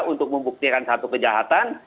untuk membuktikan satu kejahatan